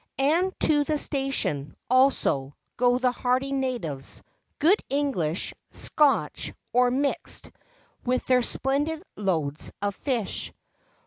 And to the Station, also, go the hardy natives good English, Scotch, or "Mixed" with their splendid loads of fish.